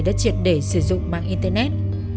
đã triệt để sử dụng mạng internet